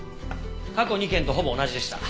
過去２件とほぼ同じでした。